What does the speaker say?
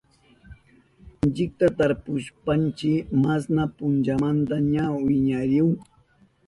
Inchikta tarpushpanchi masna punchamanta ña wiñarinahun.